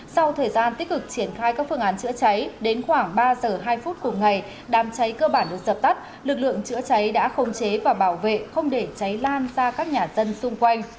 sau thời gian tích cực triển khai các phương án chữa cháy đến khoảng ba giờ hai phút cùng ngày đám cháy cơ bản được dập tắt lực lượng chữa cháy đã khống chế và bảo vệ không để cháy lan ra các nhà dân xung quanh